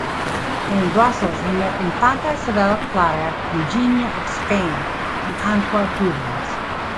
In Brussels he met Infanta Isabella Clara Eugenia of Spain; in Antwerp, Rubens.